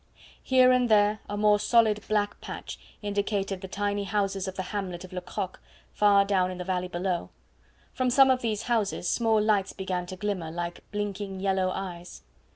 Here and there a more solid black patch indicated the tiny houses of the hamlet of Le Crocq far down in the valley below; from some of these houses small lights began to glimmer like blinking yellow eyes.